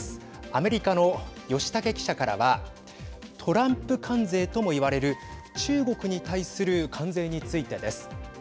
アメリカの吉武記者からはトランプ関税ともいわれる中国に対する関税についてです。